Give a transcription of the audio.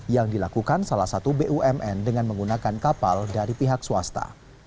yang dilakukan salah satu bumn dengan menggunakan kapal dari pihak swasta